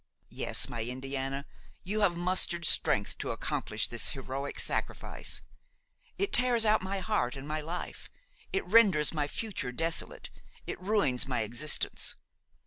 Yes, my Indiana, you have mustered strength to accomplish this heroic sacrifice. It tears out my heart and my life; it renders my future desolate, it ruins my existence.